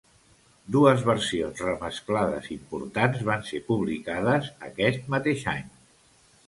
Dues versions remesclades importants van ser publicades aquest mateix any.